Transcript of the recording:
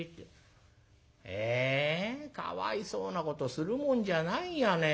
「えかわいそうなことするもんじゃないやね。